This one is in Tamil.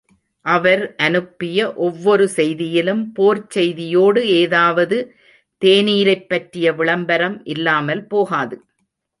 அவர் அனுப்பிய ஒவ்வொரு செய்தியிலும் போர்ச் செய்தியோடு ஏதாவது தேநீரைப் பற்றிய விளம்பரம் இல்லாமல் போகாது.